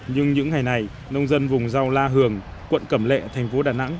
nhưng những ngày này nông dân vùng rau la hường quận cẩm lệ thành phố đà nẵng